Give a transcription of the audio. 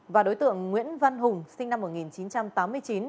và đối tượng nguyễn văn hùng sinh năm một nghìn chín trăm tám mươi chín